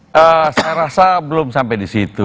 saya rasa belum sampai di situ